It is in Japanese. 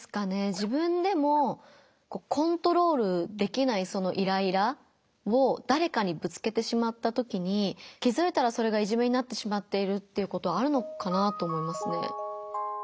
自分でもコントロールできないそのイライラをだれかにぶつけてしまったときに気づいたらそれがいじめになってしまっているっていうことあるのかなと思いますね。